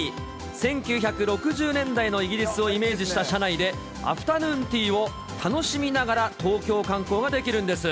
１９６０年代のイギリスをイメージした車内で、アフタヌーンティーを楽しみながら東京観光ができるんです。